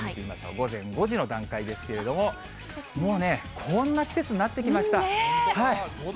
午前５時の段階ですけれども、もうね、こんな季節になってきま５度？